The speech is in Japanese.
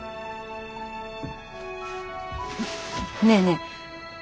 ねえねえ